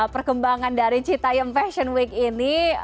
perkembangan dari cita yum fashion week ini